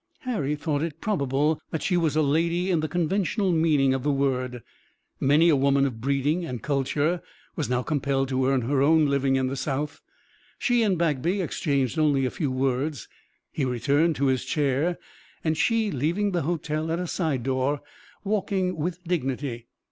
Harry thought it probable that she was a lady in the conventional meaning of the word. Many a woman of breeding and culture was now compelled to earn her own living in the South. She and Bagby exchanged only a few words, he returning to his chair, and she leaving the hotel at a side door, walking with dignity.